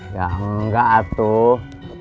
ya enggak tuh